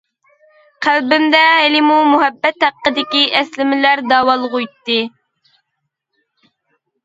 قەلبىمدە ھېلىمۇ مۇھەببەت ھەققىدىكى ئەسلىمىلەر داۋالغۇيتتى.